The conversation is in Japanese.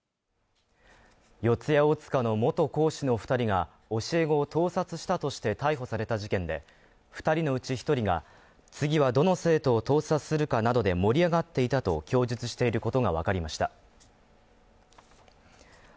四谷大塚の元講師の２人が、教え子を盗撮したとして逮捕された事件で、２人のうち１人が、次はどの生徒を盗撮するかなどで盛り上がっていたと供述していることがわかりました。